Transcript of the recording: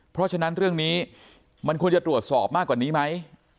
เพราะฉะนั้นเรื่องนี้มันควรจะตรวจสอบมากกว่านี้ไหม